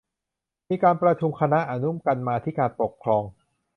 มีการประชุมคณะอนุกรรมาธิการปกครอง